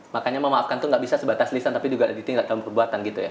makanya memaafkan itu nggak bisa sebatas lisan tapi juga ditingkat dalam perbuatan gitu ya